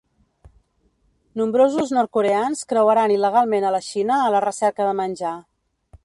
Nombrosos nord-coreans creuaren il·legalment a la Xina a la recerca de menjar.